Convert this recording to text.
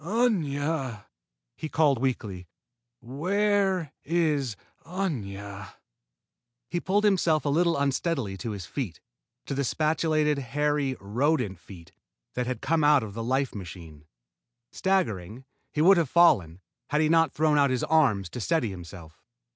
"Aña!" he called weakly. "Where is Aña?" He pulled himself a little unsteadily to his feet to the spatulated, hairy rodent feet that had come out of the life machine. Staggering, he would have fallen, had he not thrown out his arm to steady himself.